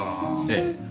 ええ。